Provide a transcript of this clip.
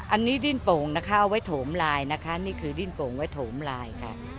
อันนี้ดิ้นโป่งนะคะเอาไว้โถมลายนะคะนี่คือดิ้นโป่งไว้โถมลายค่ะ